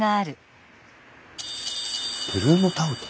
ブルーノ・タウト？